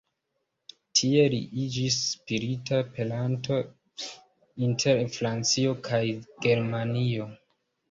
Tie li iĝis spirita peranto inter Francio kaj Germanio.